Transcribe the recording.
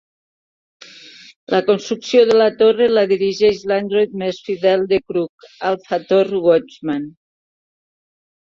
La construcció de la torre la dirigeix l'android més fidel de Krug, Alpha Thor Watchman.